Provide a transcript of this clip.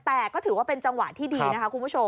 แต่ก็ถือว่าเป็นจังหวะที่ดีนะคะคุณผู้ชม